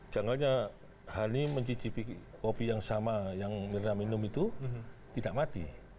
janggalnya hani mencicipi kopi yang sama yang mirna minum itu tidak mati